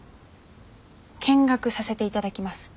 見学させていただきます。